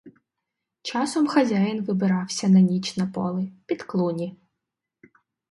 Часом хазяїн вибирався на ніч на поле, під клуні.